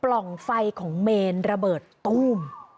ปล่องไฟของเมร์รระเบิดตูม